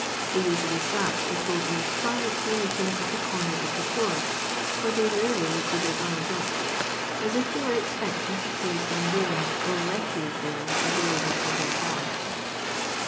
They usually sat, he told me, silently looking at the comen of the floor — for they rardy lifted their eyes up — as if they were expecting to see some bones or refuse there available for their bags.